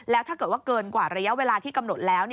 แล้วถ้าเกิดว่าเกินกว่าระยะเวลาที่กำหนดแล้ว